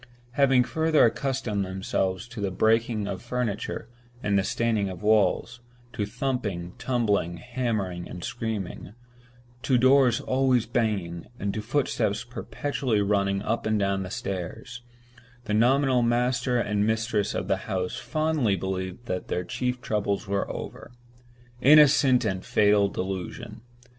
Having further accustomed themselves to the breaking of furniture and the staining of walls—to thumping, tumbling, hammering, and screaming; to doors always banging, and to footsteps perpetually running up and down stairs—the nominal master and mistress of the house fondly believed that their chief troubles were over. Innocent and fatal delusion!